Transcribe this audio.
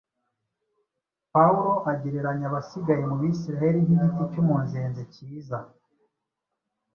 Pawulo agereranya abasigaye mu Bisirayeli n’igiti cy’umunzenze cyiza